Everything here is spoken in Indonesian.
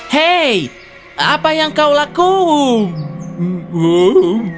hei apa yang kau lakukan